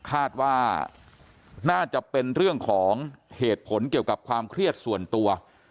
คาดว่าน่าจะเป็นเรื่องของเหตุผลเกี่ยวกับความเครียดส่วนตัว